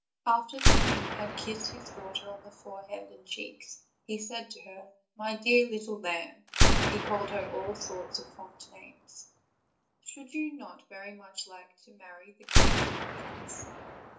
After the king had kissed his daughter on her fore 342 OLD, OLD FAIRY TALES. head and cheeks, he said to her: "My dear little lamb,'* for he called her all sorts of fond names, "should you not very much like to marry great King Merlin's son?